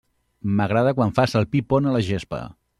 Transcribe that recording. M'agrada quan fas el pi pont a la gespa.